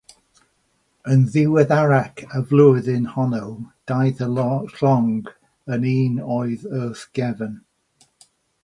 Yn ddiweddarach y flwyddyn honno, daeth y llong yn un oedd wrth gefn.